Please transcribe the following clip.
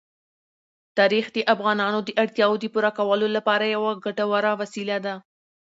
تاریخ د افغانانو د اړتیاوو د پوره کولو لپاره یوه ګټوره وسیله ده.